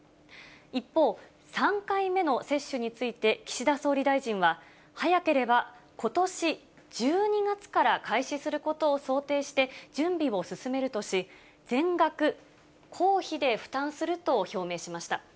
一方、３回目の接種について岸田総理大臣は、早ければことし１２月から開始することを想定して、準備を進めるとし、全額、公費で負担すると表明しました。